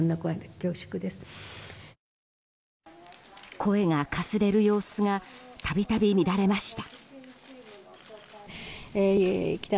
声がかすれる様子が度々、見られました。